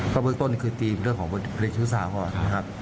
ครับประเบิกต้นคือทีมเรื่องของพฤษฐศาสตร์